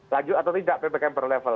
lanjut atau tidak ppkm per level